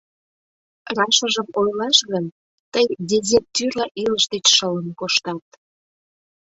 Рашыжым ойлаш гын, тый дезертирла илыш деч шылын коштат.